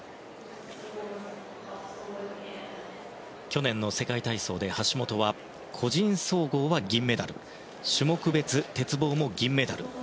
去年の世界体操で橋本は個人総合は銀メダル種目別鉄棒も銀メダル。